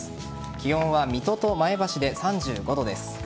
気温は水戸と前橋で３５度です。